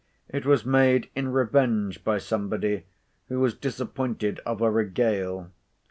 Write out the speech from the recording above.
It was made in revenge by somebody, who was disappointed of a regale.